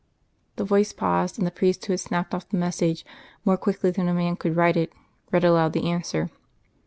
The voice paused, and the priest who had snapped off the message, more quickly than a man could write it, read aloud the answer.